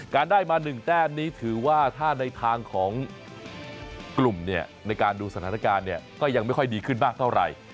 ได้มา๑แต้มนี้ถือว่าถ้าในทางของกลุ่มเนี่ยในการดูสถานการณ์เนี่ยก็ยังไม่ค่อยดีขึ้นมากเท่าไหร่